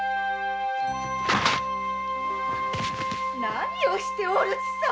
何をしておる千佐。